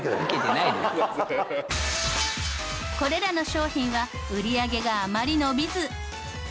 これらの商品は売り上げがあまり伸びず。